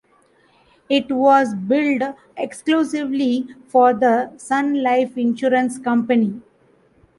It was built exclusively for the Sun Life Insurance Company.